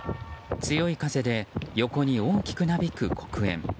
強い風で横に大きくなびく黒煙。